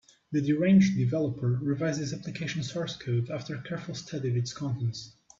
The deranged developer revised his application source code after a careful study of its contents.